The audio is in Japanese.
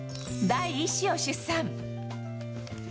第１子を出産。